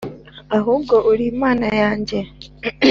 ahubwo uri imana yanjye